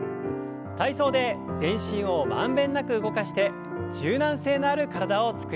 体操で全身を満遍なく動かして柔軟性のある体を作りましょう。